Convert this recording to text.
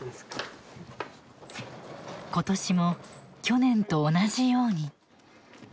今年も去年と同じように。